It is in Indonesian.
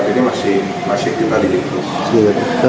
kalau untuk saat ini masih kita lidik terus